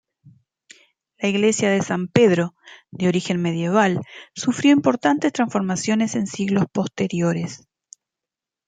La iglesia de San Pedro, de origen medieval, sufrió importantes transformaciones en siglos posteriores.